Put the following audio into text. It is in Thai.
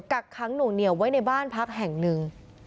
กักขังหน่วงเหนียวไว้ในบ้านพักแห่งหนึ่ง